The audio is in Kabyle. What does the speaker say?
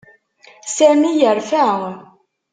Sami yerfa.